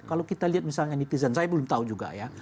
kalau kita lihat misalnya netizen saya belum tahu juga ya